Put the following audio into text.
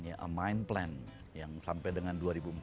a mind plan yang sampai dengan dua ribu empat puluh satu